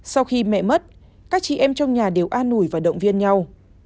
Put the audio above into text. sau khi mẹ mất các chị em trong nhà đều an ủi và động viên nhau